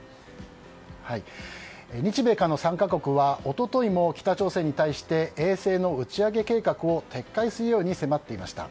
日米韓の３か国は一昨日も、北朝鮮に対して衛星の打ち上げ計画を撤回するように迫っていました。